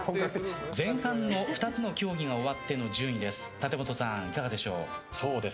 前半の２つの競技が終わっての順位です。